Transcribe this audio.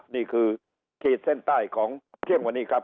นี่คือขีดเส้นใต้ของเที่ยงวันนี้ครับ